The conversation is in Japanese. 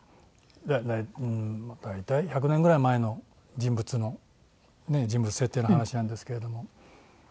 大体１００年ぐらい前の人物の人物設定の話なんですけれども。